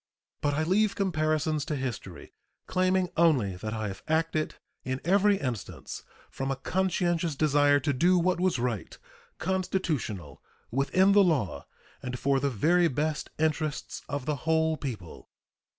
But I leave comparisons to history, claiming only that I have acted in every instance from a conscientious desire to do what was right, constitutional, within the law, and for the very best interests of the whole people.